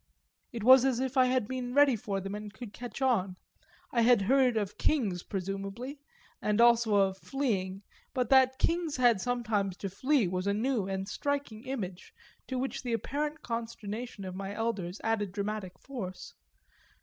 It was as if I had been ready for them and could catch on; I had heard of kings presumably, and also of fleeing: but that kings had sometimes to flee was a new and striking image, to which the apparent consternation of my elders added dramatic force.